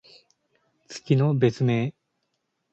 月の別名。